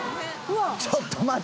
ちょっと待て。